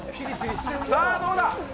さぁ、どうだ？